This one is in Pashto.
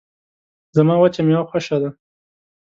زما وچه میوه خوشه ده